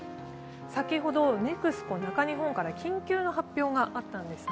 先ほどＮＥＸＣＯ中日本から緊急の発表があったんですね。